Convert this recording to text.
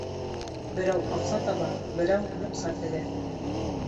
Берәү аҡса таба, берәү муҡса тегә.